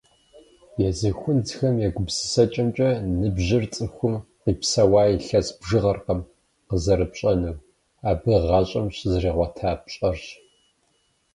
Езы хунзхэм я гупсысэкӏэмкӏэ, ныбжьыр цӏыхум къипсэуа илъэс бжыгъэракъым къызэрыпщӏэнур, абы гъащӏэм щызригъэгъуэта пщӏэрщ.